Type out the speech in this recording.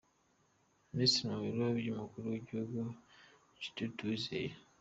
Ministre mu biro by’umukuru w’igihugu ni Judith Uwizeye